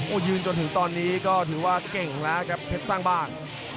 โอ้โหยืนจนถึงตอนนี้ก็ถือว่าเก่งแล้วครับเพชรสร้างบ้าน